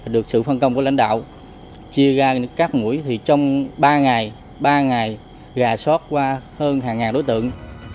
được sự phân công của lãnh đạo chia ra các mũi thì trong ba ngày ba ngày rà soát qua hơn hàng ngàn đối tượng